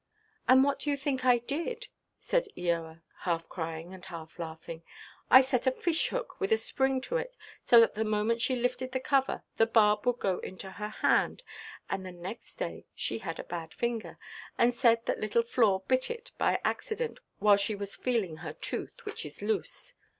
"And what do you think I did?" said Eoa, half crying, and half laughing: "I set a fishhook with a spring to it, so that the moment she lifted the cover, the barb would go into her hand; and the next day she had a bad finger, and said that little Flore bit it by accident while she was feeling her tooth, which is loose.